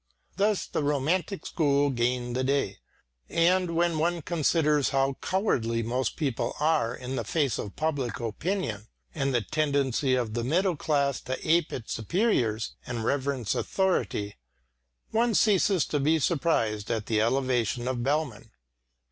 Thus the romantic school gained the day; and when one considers how cowardly most people are in the face of public opinion, and the tendency of the middle class to ape its superiors and reverence authority, one ceases to be surprised at the elevation of Bellmann.